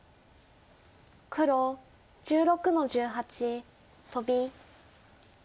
黒１６の十八トビ。